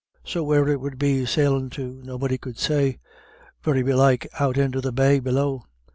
So where it would be sailin' to nobody could say; very belike out into the bay below.